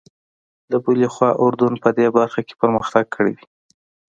له بلې خوا اردن په دې برخه کې پرمختګ کړی دی.